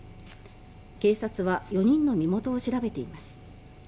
警察は４人の身元を調べています。